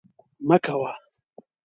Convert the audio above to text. مه کوه